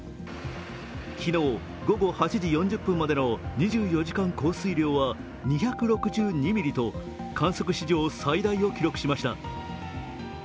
昨日午後８時４０分までの２４時間降水量は２６２ミリと観測史上最大を記録しました。